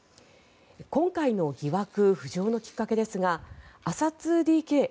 今回の疑惑浮上のきっかけですがアサツーディ・ケイ